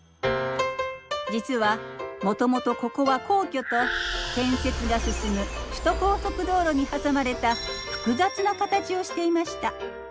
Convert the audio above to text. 実はもともとここは皇居と建設が進む首都高速道路に挟まれた複雑な形をしていました。